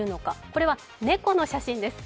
これは猫の写真です。